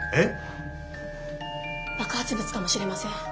爆発物かもしれません。